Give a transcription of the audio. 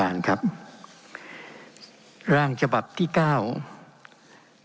เป็นของสมาชิกสภาพภูมิแทนรัฐรนดร